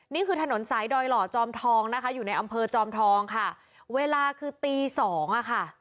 นี่คือถนนสายดอยหล่อจอมทองนะคะอยู่ในอำเภอจอมทองค่ะเวลาคือตีสองอ่ะค่ะ